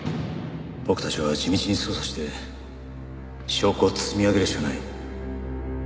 僕たちは地道に捜査して証拠を積み上げるしかない。